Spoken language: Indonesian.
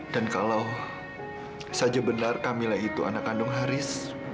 dan kalau saja benar kamila itu anak kandung haris